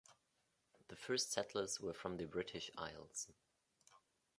The first settlers were from the British Isles.